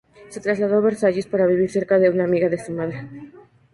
Se trasladó a Versalles para vivir cerca de una amiga de su madre.